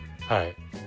はい。